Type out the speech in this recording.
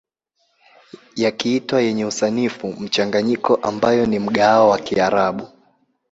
Yakiitwa yenye usanifu mchanganyiko ambayo ni mgahawa wa kiarabu